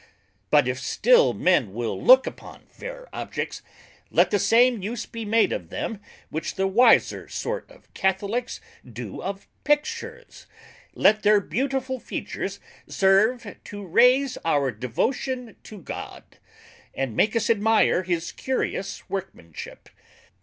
But if still men will look upon fair Objects, let the same use be made of them which the wiser sort of Catholicks do of Pictures; let their beautiful features serve to raise our Devotion to God, and make us admire his curious workmanship.